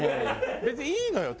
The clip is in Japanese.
「別にいいのよ。